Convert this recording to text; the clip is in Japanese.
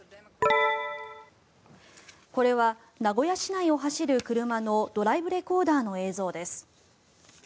これは名古屋市内を走る車のドライブレコーダーの映像です。